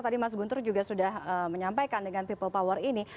tadi mas guntur juga sudah menyampaikan dengan people power ini